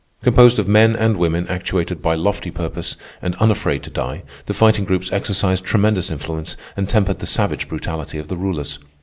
Composed of men and women actuated by lofty purpose and unafraid to die, the Fighting Groups exercised tremendous influence and tempered the savage brutality of the rulers.